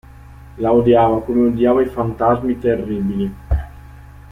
La odiava come odiava i fantasmi terribili.